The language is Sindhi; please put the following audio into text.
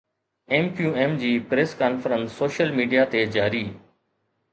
ايم ڪيو ايم جي پريس ڪانفرنس سوشل ميڊيا تي جاري